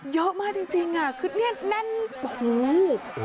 เยอะมากจริงอ่ะคือเนี่ยแน่นโอ้โห